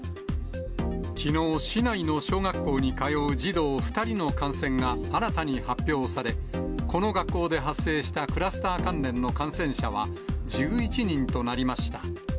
きのう、市内の小学校に通う児童２人の感染が新たに発表され、この学校で発生したクラスター関連の感染者は、１１人となりました。